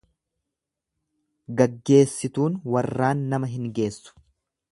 Gaggeessituun warraan nama hin geessu.